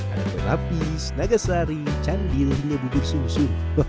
ada telapis naga sari candil hingga bubur susu